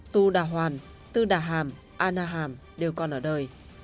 tu đà hoàn tu đà hàm an na hàm đều còn ở đời